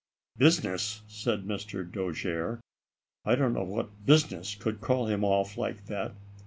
"Business?" said Mr. Dojere, "I don't know what business could call him off like that.